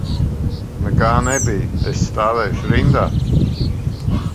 Nekā nebija, es stāvēšu rindā.